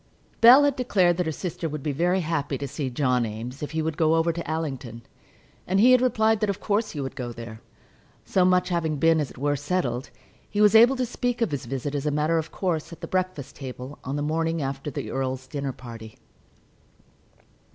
Bell had declared that her sister would be very happy to see John Eames if he would go over to Allington, and he had replied that of course he would go there. So much having been, as it were, settled, he was able to speak of his visit as a matter of course at the breakfast table, on the morning after the earl's dinner party.